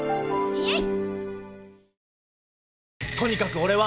イェイ！